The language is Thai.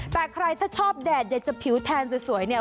แต่ใครถ้าชอบแดดอยากจะผิวแทนสวยเนี่ย